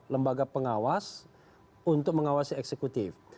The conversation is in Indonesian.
lembaga pengawas untuk mengawasi eksekutif